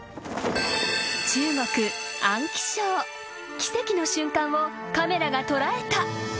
［奇跡の瞬間をカメラが捉えた］